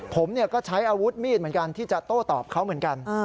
ผมก็ใช้อาวุธมีดเหมือนกันที่จะโต้ตอบเขาเหมือนกัน